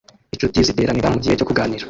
Inshuti ziteranira mugihe cyo kuganira